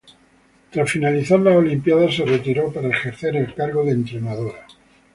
Tras finalizar las olimpiadas se retiró para ejercer el cargo de entrenadora.